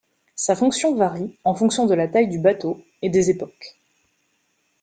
Sa fonction varie en fonction de la taille du bateau et des époques.